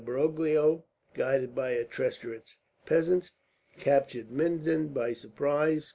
Broglio, guided by a treacherous peasant, captured Minden by surprise.